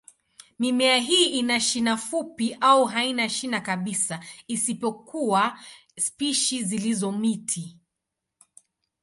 Mimea hii ina shina fupi au haina shina kabisa, isipokuwa spishi zilizo miti.